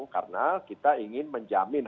karena kita ingin menjamin